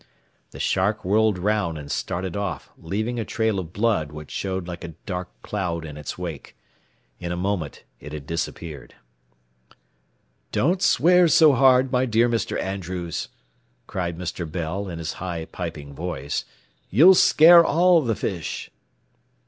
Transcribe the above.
The shark whirled round and started off, leaving a trail of blood which showed like a dark cloud in its wake. In a moment it had disappeared. "Don't swear so hard, my dear Mr. Andrews," cried Mr. Bell, in his high, piping voice. "You'll scare all the fish."